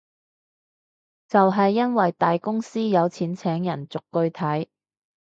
就係因為大公司有錢請人逐句睇